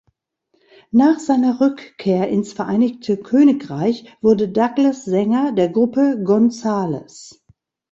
Nach seiner Rückkehr ins Vereinigte Königreich wurde Douglas Sänger der Gruppe "Gonzales".